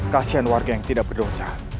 kasian warga yang tidak berdosa